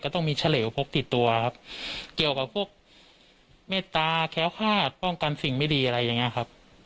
ต้องมีเฉลวพกติดตัวครับเกี่ยวกับพวกเมตตาแค้วคาดป้องกันสิ่งไม่ดีอะไรอย่างเงี้ยครับ